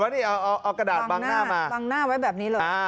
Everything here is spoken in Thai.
ปรากฏว่าเอากระดาษวางหน้ามา